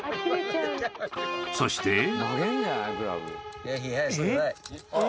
［そして］